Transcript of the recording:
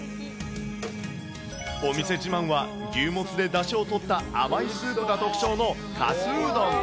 お店自慢は牛もつでだしを取った、甘いスープが特徴のかすうどん。